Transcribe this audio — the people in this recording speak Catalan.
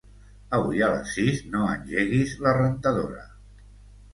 Avui a les sis no engeguis la rentadora.